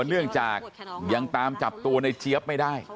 เนื่องจากยังตามจับตัวในเจี๊ยบไม่ได้